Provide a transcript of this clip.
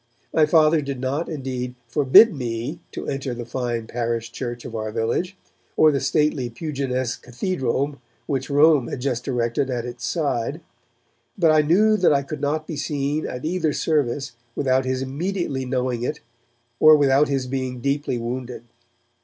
My Father did not, indeed, forbid me to enter the fine parish church of our village, or the stately Puginesque cathedral which Rome had just erected at its side, but I knew that I could not be seen at either service without his immediately knowing it, or without his being deeply wounded.